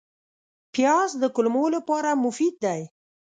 پیاز د کولمو لپاره مفید دی